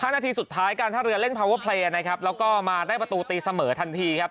นาทีสุดท้ายการท่าเรือเล่นพาวเวอร์เพลย์นะครับแล้วก็มาได้ประตูตีเสมอทันทีครับ